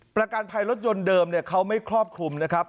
ประกันภัยรถยนต์เดิมเขาไม่ครอบคลุมนะครับ